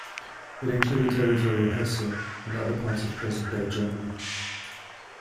It included territory in Hesse and other parts of present-day Germany.